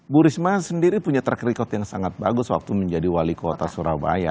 bu risma sendiri punya track record yang sangat bagus waktu menjadi wali kota surabaya